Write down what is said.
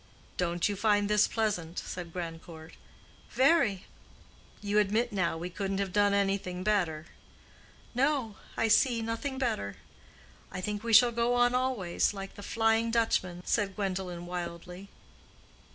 "Don't you find this pleasant?" said Grandcourt. "Very." "You admit now we couldn't have done anything better?" "No—I see nothing better. I think we shall go on always, like the Flying Dutchman," said Gwendolen wildly.